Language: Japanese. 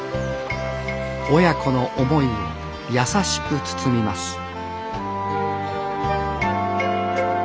親子の思いを優しく包みます